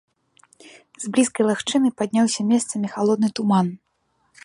З блізкай лагчыны падняўся месцамі халодны туман.